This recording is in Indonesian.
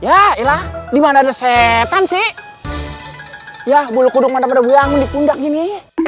ya ilah dimana ada setan sih ya bulu kudung mana pada buang di pundak gini